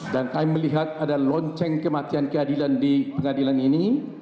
dan saya melihat ada lonceng kematian keadilan di pengadilan ini